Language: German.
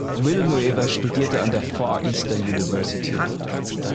Villanueva studierte an der Far Eastern University.